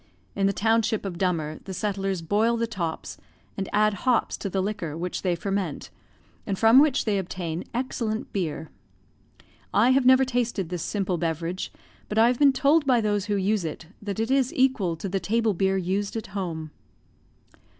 In the township of Dummer, the settlers boil the tops, and add hops to the liquor, which they ferment, and from which they obtain excellent beer. I have never tasted this simple beverage, but I have been told by those who use it that it is equal to the table beer used at home.